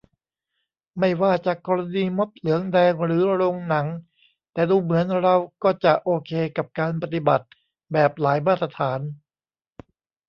ไม่ว่าจะกรณีม็อบเหลืองแดงหรือโรงหนัง แต่ดูเหมือนเราก็จะโอเคกับการปฏิบัติแบบหลายมาตรฐาน